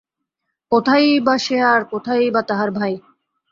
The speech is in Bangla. কোথায়ই বা সে-আর কোথায়ই বা তাহার ভাই!